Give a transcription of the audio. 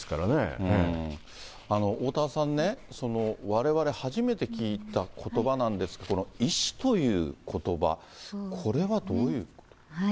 おおたわさんね、われわれ初めて聞いたことばなんですけれども、この縊死ということば、これはどういう？